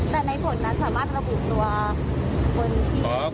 แต่ในผลนั้นสามารถระบุตัวคนที่